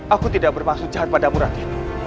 aku tidak bermaksud jahat padamu rakit